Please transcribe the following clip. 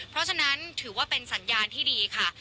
เพราะฉะนั้นถือว่าเป็นสัญญาณที่ดีค่ะ